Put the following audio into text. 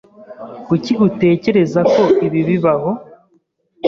Kuki utekereza ko ibi bibaho?